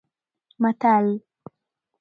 متل